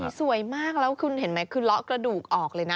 สวยมากแล้วคุณเห็นไหมคือเลาะกระดูกออกเลยนะ